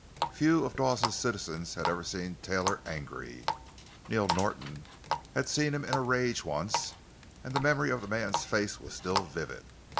Few of Dawes's citizens had ever seen Taylor angry. Neil Norton had seen him in a rage once, and the memory of the man's face was still vivid.